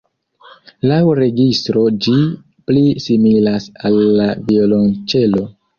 Laŭ registro ĝi pli similas al la violonĉelo.